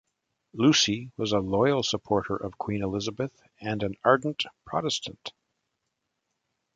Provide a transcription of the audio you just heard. Lucy was a loyal supporter of Queen Elizabeth and an ardent Protestant.